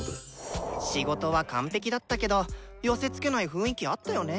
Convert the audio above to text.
仕事は完ペキだったけど寄せつけない雰囲気あったよね。